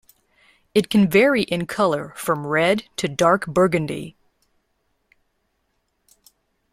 It can vary in color from red to dark burgundy.